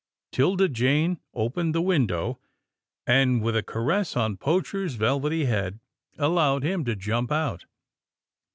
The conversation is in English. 'Tilda Jane opened the window, and, with a caress on Poacher's velvety head, allowed him to jump out.